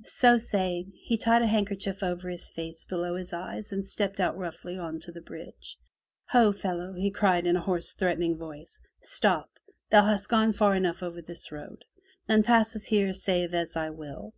'* So saying, he tied a kerchief over his face below his eyes and stepped out roughly on the bridge. "Ho, fellow!" he cried in a hoarse threatening voice. "Stop! Thou hast gone far enough over this road! None passes here save as I will!